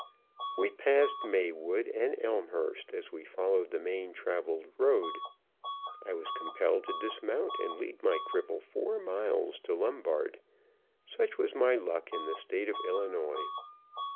We passed Maywood and Elmhurst as we followed the main traveled road. I was compelled to dismount and lead my cripple four miles to Lombard. Such was my luck in the State of Illinois.